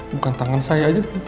bukan tangan saya aja